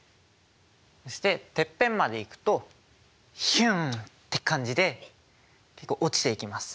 そしててっぺんまで行くとヒュンって感じで落ちていきます。